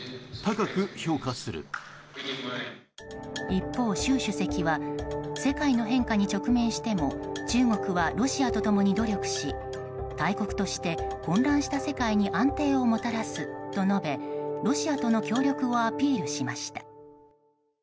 一方、習主席は世界の変化に直面しても中国はロシアと共に努力し大国として混乱した世界に安定をもたらすと述べロシアとの協力をアピールしました。